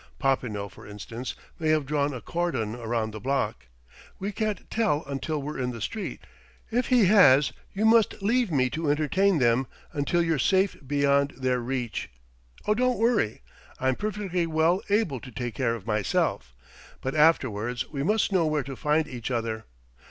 Popinot, for instance, may have drawn a cordon around the block; we can't tell until we're in the street; if he has, you must leave me to entertain them until you're safe beyond their reach.... Oh, don't worry: I'm perfectly well able to take care of myself....But afterwards, we must know where to find each other.